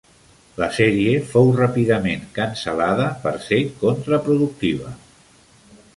La sèrie fou ràpidament cancel·lada per ser contraproductiva.